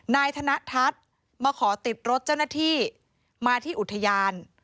นายธนทัศน์มาขอติดรถเจ้าหน้าที่มาที่อุทยาน